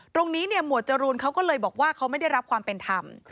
หมวดจรูนเขาก็เลยบอกว่าเขาไม่ได้รับความเป็นธรรม